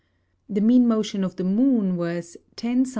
The mean Motion of the Moon was 10 S.